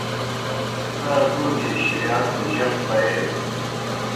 څھا ڈولیْئے شریات دہ جک پیَیتَن۔